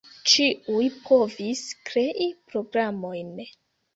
Ĉiuj povis krei programojn.